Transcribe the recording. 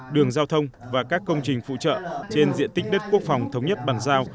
đường giao thông và các công trình phụ trợ trên diện tích đất quốc phòng thống nhất bàn giao